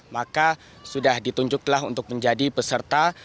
maka sudah ditunjuklah untuk menjadi peserta